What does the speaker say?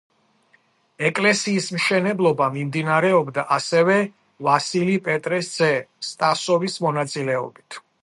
ეკლესიის მშენებლობა მიმდინარეობდა ასევე ვასილი პეტრეს ძე სტასოვის მონაწილეობით.